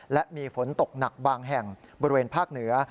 และมีฝนตกหนักบางแห่งบริเวณภาคเหนือ